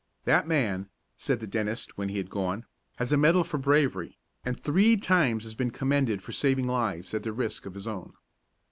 "That man," said the dentist, when he had gone, "has a medal for bravery, and three times has been commended for saving lives at the risk of his own."